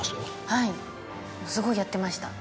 はいすごいやってました。